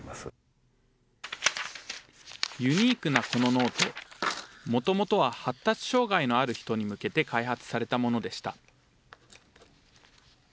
このノート、もともとは発達障害のある人に向けて開発されたものでした。